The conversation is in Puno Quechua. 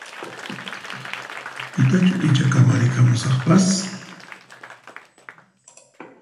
Pitachu icha kamarikamusaqpas?